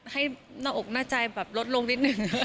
ให้หน้าอกหน้าใจลดลงลิดหนึ่ง